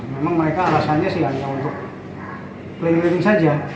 memang mereka alasannya sih hanya untuk planning saja